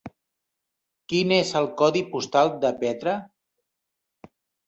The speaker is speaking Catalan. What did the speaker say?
Quin és el codi postal de Petra?